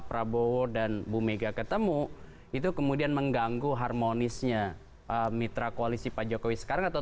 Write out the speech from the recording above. prabowo dan bu mega ketemu itu kemudian mengganggu harmonisnya mitra koalisi pak jokowi sekarang atau